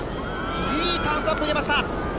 いいターンアップが出ました。